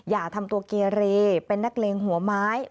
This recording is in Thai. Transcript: อย่าทำตัวเกเรเป็นนักเลงหัวไม้